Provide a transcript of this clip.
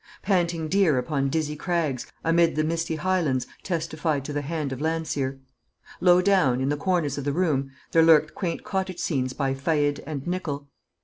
Panting deer upon dizzy crags, amid the misty Highlands, testified to the hand of Landseer. Low down, in the corners of the room, there lurked quaint cottage scenes by Faed and Nichol.